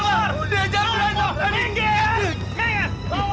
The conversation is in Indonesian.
udah udah jangan berantem